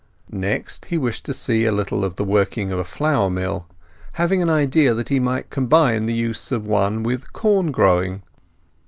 Next, he wished to see a little of the working of a flour mill, having an idea that he might combine the use of one with corn growing.